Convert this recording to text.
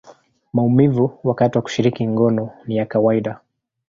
maumivu wakati wa kushiriki ngono ni ya kawaida.